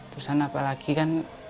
terus kan apalagi kan